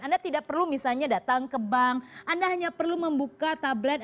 anda tidak perlu misalnya datang ke bank anda hanya perlu membuka tablet